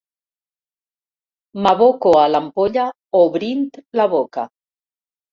M'aboco a l'ampolla obrint la boca.